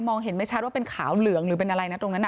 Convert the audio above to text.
เห็นไม่ชัดว่าเป็นขาวเหลืองหรือเป็นอะไรนะตรงนั้น